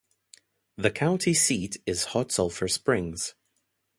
The county seat is Hot Sulphur Springs.